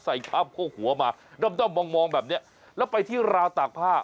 คราบโคกหัวมาด้อมมองแบบนี้แล้วไปที่ราวตากผ้า